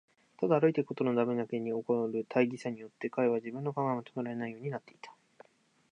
ただ歩いていくことだけのために起こる大儀さによって、彼は自分の考えをまとめられないようになっていた。